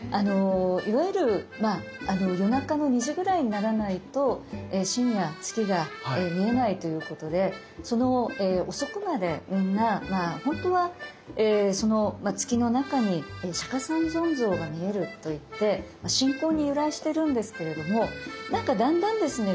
いわゆる夜中の２時ぐらいにならないと深夜月が見えないということで遅くまでみんなほんとはその月の中に釈迦三尊像が見えるといって信仰に由来してるんですけれどもなんかだんだんですね